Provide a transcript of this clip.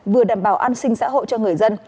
vừa đảm bảo an sinh xã hội cho người dân